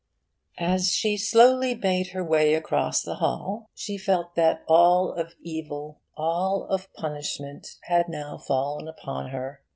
'As she slowly made her way across the hall, she felt that all of evil, all of punishment, had now fallen upon her.